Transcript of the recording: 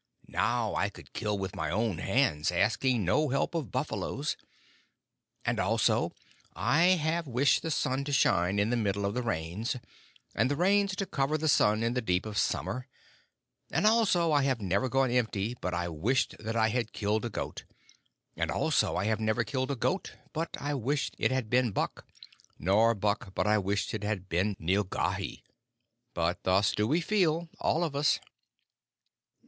Now, I could kill with my own hands, asking no help of buffaloes. And also I have wished the sun to shine in the middle of the Rains, and the Rains to cover the sun in the deep of summer; and also I have never gone empty but I wished that I had killed a goat; and also I have never killed a goat but I wished it had been buck; nor buck but I wished it had been nilghai. But thus do we feel, all of us."